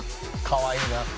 「かわいいな」